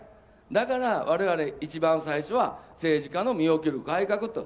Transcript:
だから、われわれ、一番最初は政治家の身を切る改革と。